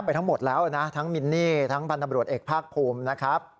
ทั้งหมดแล้วนะทั้งมินนี่ทั้งพันธบรวจเอกภาคภูมินะครับ